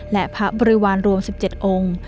และพระบริวารรวม๑๗องค์